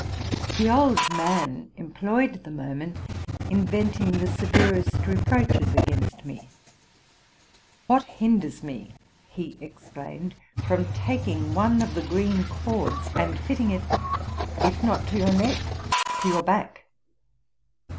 The old man employed the moment in venting the severest reproaches against me. '* What hinders me,'' he exclaimed, '' from taking one of the green cords, and fitting it, if not to your neck, to your back?